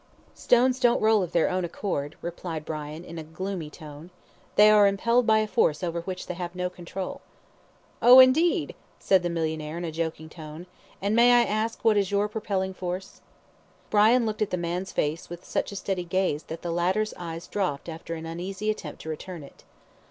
"Stones don't roll of their own accord," replied Brian, in a gloomy tone. "They are impelled by a force over which they have no control." "Oh, indeed!" said the millionaire, in a joking tone. "And may I ask what is your propelling force?" Brian looked at the man's face with such a steady gaze that the latter's eyes dropped after an uneasy attempt to return it.